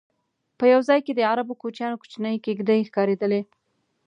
په یو ځای کې د عربو کوچیانو کوچنۍ کېږدی ښکارېدلې.